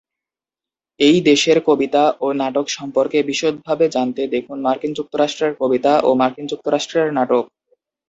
এই দেশের কবিতা ও নাটক সম্পর্কে বিশদভাবে জানতে দেখুন মার্কিন যুক্তরাষ্ট্রের কবিতা ও মার্কিন যুক্তরাষ্ট্রের নাটক।